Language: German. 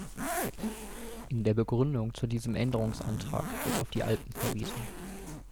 In der Begründung zu diesem Änderungsantrag wird auf die Alpen verwiesen.